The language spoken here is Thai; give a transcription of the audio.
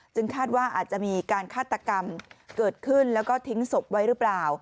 คาดว่าอาจจะมีการฆาตกรรมเกิดขึ้นแล้วก็ทิ้งศพไว้หรือเปล่า